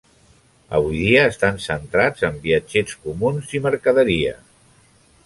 Avui dia estan centrats en viatgers comuns i mercaderia.